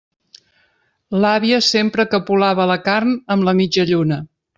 L'àvia sempre capolava la carn amb la mitjalluna.